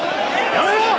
やめろ！